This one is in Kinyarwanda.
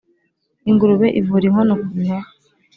-Ingurube ivura inkono kubihaha